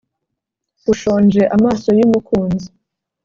ushonje-amaso y’umukunzi